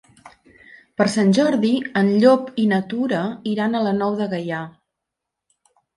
Per Sant Jordi en Llop i na Tura iran a la Nou de Gaià.